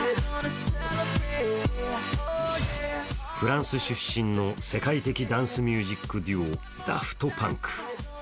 フランス出身の世界的ダンスミュージックデュオ、ダフト・パンク。